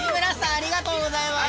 ありがとうございます！